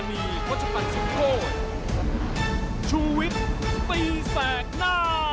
ชูวิตตีแสงหน้า